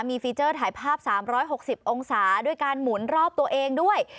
มีฟีเจอร์ถ่ายภาพ๓๖๐องศาด้วยการหมุนรอบตัวเองด้วย